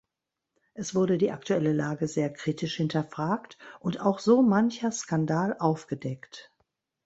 Es wurde die aktuelle Lage sehr kritisch hinterfragt und auch so mancher Skandal aufgedeckt.